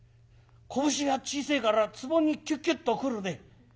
拳が小せえからツボにキュキュッとくるね。